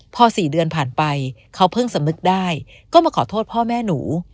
พอ๔เดือนผ่านไปเขาเพิ่งสำนึกได้ก็มาขอโทษพ่อแม่หนู